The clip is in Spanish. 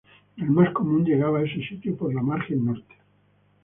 El más común llegaba a ese sitio por la margen norte.